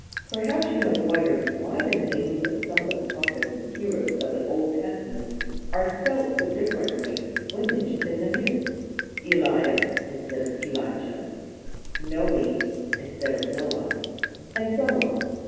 Perhaps you have wondered why the names of some of the prophets and heroes of the Old Testament are spelt so differently when mentioned in the New 'Elias' instead of 'Elijah,' 'Noe' instead of 'Noah,' and so on.